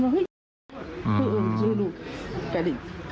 แล้วเฮ้ยคือเออซื้อลูกกันอีก